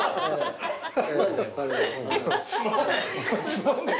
つまんねえ。